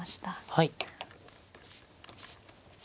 はい。